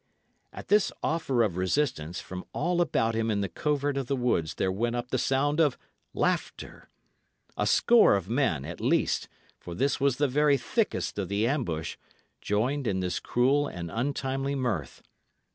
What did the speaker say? At this offer of resistance, from all about him in the covert of the woods there went up the sound of laughter. A score of men, at least, for this was the very thickest of the ambush, joined in this cruel and untimely mirth.